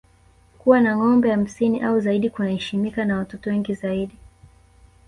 Kuwa na ngombe hamsini au zaidi kunaheshimika na watoto wengi zaidi